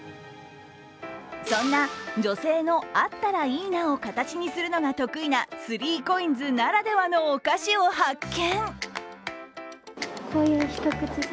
そんな女性のあったらいいなを形にするのが得意な３ＣＯＩＮＳならではのお菓子を発見。